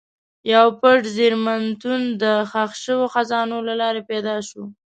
یو پټ زېرمتون د ښخ شوو خزانو له لارې پیدا شو.